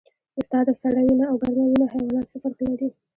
استاده سړه وینه او ګرمه وینه حیوانات څه فرق لري